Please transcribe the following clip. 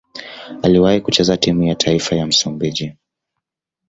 Aliwahi kucheza timu ya taifa ya Msumbiji.